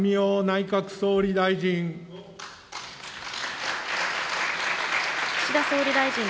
内閣総理大臣。